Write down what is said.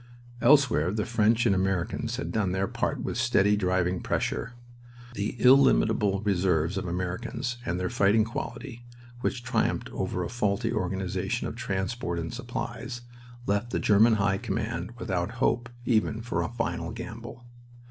Elsewhere the French and Americans had done their part with steady, driving pressure. The illimitable reserves of Americans, and their fighting quality, which triumphed over a faulty organization of transport and supplies, left the German High Command without hope even for a final gamble.